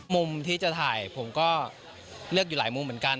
มุมที่จะถ่ายผมก็เลือกอยู่หลายมุมเหมือนกัน